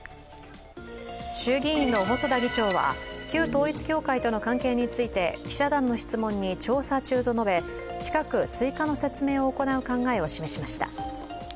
衆議院の細田議長は旧統一教会との関係について記者団の質問に調査中と述べ、近く追加の説明を行う考えを示しました。